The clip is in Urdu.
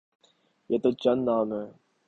یہ تو چند نام ہیں۔